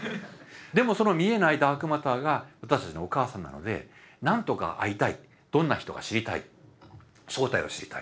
でもその見えないダークマターが私たちのお母さんなので何とか会いたいどんな人か知りたい正体を知りたい。